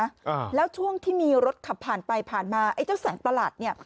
อ่าแล้วช่วงที่มีรถขับผ่านไปผ่านมาไอ้เจ้าแสงประหลาดเนี้ย